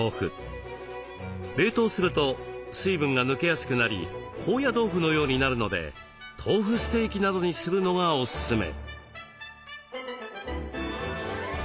冷凍すると水分が抜けやすくなり高野豆腐のようになるので豆腐ステーキなどにするのがおすすめ。